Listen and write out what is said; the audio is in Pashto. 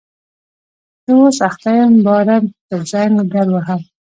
زه اوس اخته یم باره به زنګ در ووهم